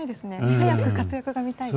早く活躍が見たいです。